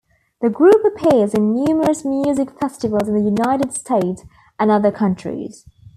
The group appears in numerous music festivals in the United States and other countries.